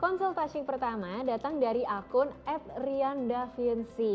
konsultasik pertama datang dari akun at rian daviensi